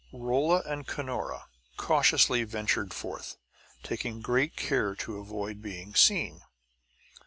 Rolla and Cunora cautiously ventured forth, taking great care to avoid being seen.